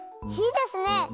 いいですね！